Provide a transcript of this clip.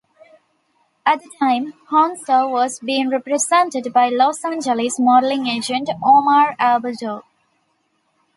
At the time, Hounsou was being represented by Los Angeles modeling agent, Omar Albertto.